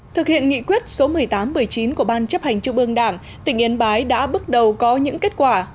thực hiện nghị quyết số một mươi tám một mươi chín của ban chấp hành trung ương đảng tỉnh yên bái đã bước đầu có những kết quả